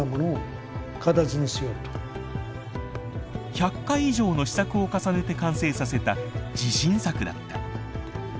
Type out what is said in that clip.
１００回以上の試作を重ねて完成させた自信作だった。